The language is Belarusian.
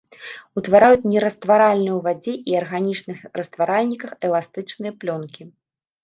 Утвараюць нерастваральныя ў вадзе і арганічных растваральніках эластычныя плёнкі.